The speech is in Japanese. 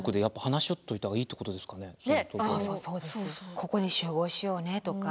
ここに集合しようねとか。